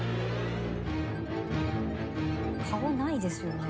顔ないですよね。